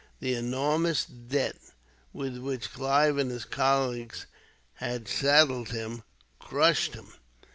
The enormous debt, with which Clive and his colleagues had saddled him, crushed him.